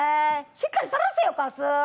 しっかりさらせよ、カス。